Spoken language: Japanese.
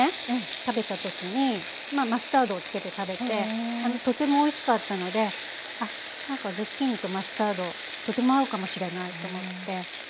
食べた時にマスタードを付けて食べてとてもおいしかったのでなんかズッキーニとマスタードとても合うかもしれないと思って